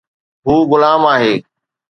هو غلام آهي